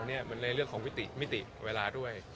มันเลยแหล่งเรื่องของมิติเวลาด้วย